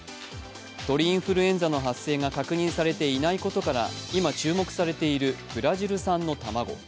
鳥インフルエンザの発生が確認されていないことから今、注目されているブラジル産の卵。